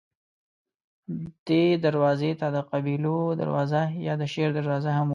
دې دروازې ته د قبیلو دروازه یا د شیر دروازه هم وایي.